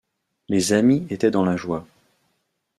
Les amis étaient dans la joie.